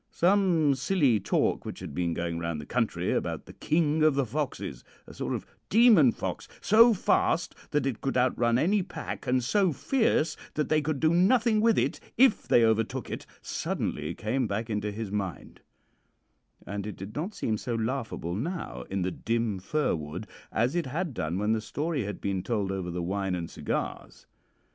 Some silly talk which had been going round the country about the king of the foxes a sort of demon fox, so fast that it could outrun any pack, and so fierce that they could do nothing with it if they overtook it suddenly came back into his mind, and it did not seem so laughable now in the dim fir wood as it had done when the story had been told over the wine and cigars.